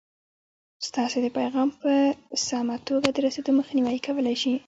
ستاسې د پیغام په سمه توګه د رسېدو مخنیوی کولای شي.